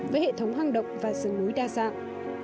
với hệ thống hang động và rừng núi đa dạng